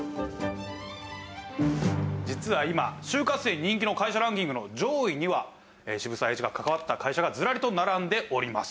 実は今就活生に人気の会社ランキングの上位には渋沢栄一が関わった会社がずらりと並んでおります。